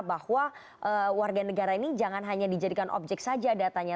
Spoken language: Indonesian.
bahwa warga negara ini jangan hanya dijadikan objek saja datanya